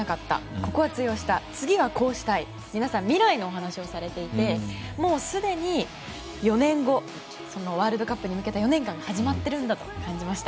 ここは通用した次はこうしたいと皆さん未来のお話をされていてすでにワールドカップに向けた４年間が始まっているんだと感じました。